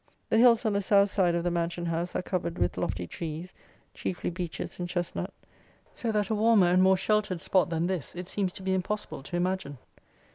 The hills on the south side of the mansion house are covered with lofty trees, chiefly beeches and chestnut: so that a warmer, a more sheltered, spot than this, it seems to be impossible to imagine.